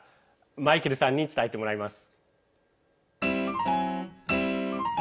マイケルさんに伝えてもらいます。